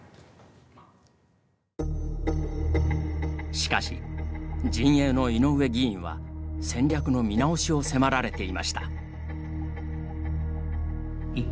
しかし、陣営の井上議員は戦略の見直しを迫られていました。